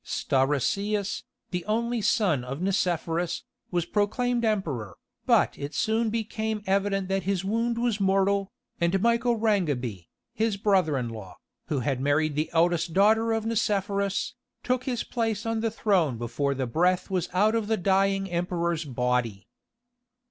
(23) Stauracius, the only son of Nicephorus, was proclaimed emperor, but it soon became evident that his wound was mortal, and Michael Rhangabe, his brother in law, who had married the eldest daughter of Nicephorus, took his place on the throne before the breath was out of the dying emperor's body.